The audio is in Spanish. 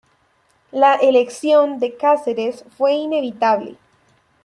La elección de Cáceres fue pues inevitable.